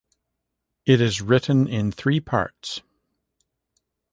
It is written in three parts.